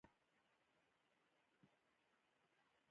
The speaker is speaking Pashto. نن هم د توکو ساده تولید موجود دی.